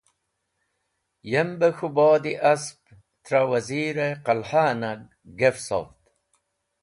Yem be k̃hũbod-e asp tra wazir qalha nag gefsovd.